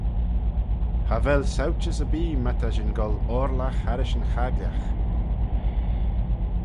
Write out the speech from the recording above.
Cha vell sauchys erbee my ta shin gholl orlagh harrish yn chaglagh.